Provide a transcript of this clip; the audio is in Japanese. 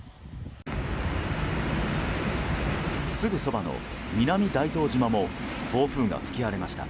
すぐそばの南大東島も暴風が吹き荒れました。